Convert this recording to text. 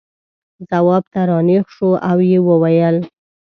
ځواب ته را نېغ شو او یې وویل.